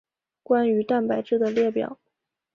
关于蛋白质的列表。